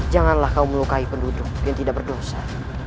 janganlah kau melukai penduduk yang tidak berdosa